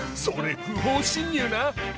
それ不法侵入な。